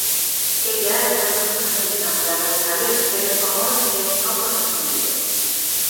Ella está profundamente enamorada de Kal-el pero su amor es no correspondido.